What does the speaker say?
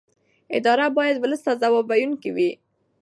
ادارې باید ولس ته ځواب ویونکې وي